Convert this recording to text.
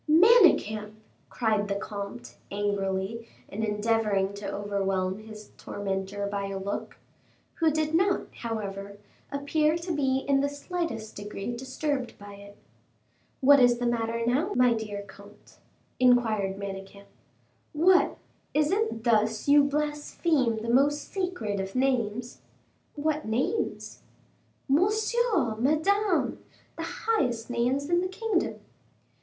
'" "Manicamp!" cried the comte, angrily, and endeavoring to overwhelm his tormentor by a look, who did not, however, appear to be in the slightest degree disturbed by it. "What is the matter now, my dear comte?" inquired Manicamp. "What! is it thus you blaspheme the most sacred of names?" "What names?" "Monsieur! Madame! the highest names in the kingdom."